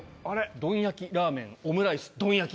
「どん焼き」「ラーメン」「オムライス」「どん焼き」